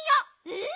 えっ？